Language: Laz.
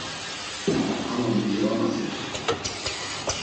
Ama miti va mazirey.